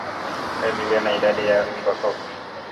Kabiliana na idadi ya mbwa koko